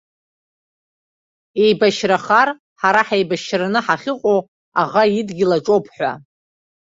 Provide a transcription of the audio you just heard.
Еибашьрахар, ҳара ҳаибашьраны ҳахьыҟоу аӷа идгьыл аҿоуп ҳәа.